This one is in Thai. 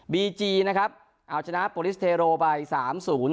บีจีนะครับเอาชนะโปรลิสเทโรไปสามศูนย์